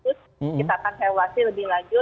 kita akan evaluasi lebih lanjut